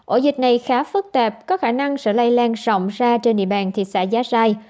ổ dịch này khá phức tạp có khả năng sẽ lây lan rộng ra trên địa bàn thị xã giá rai